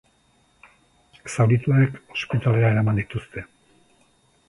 Zaurituek ospitalera eraman dituzte.